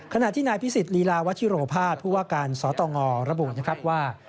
ขณะที่นายพิศิษฐ์ลีลาวาชิโรภาสพูดว่าการสอดต่องอระบุนะครับว่า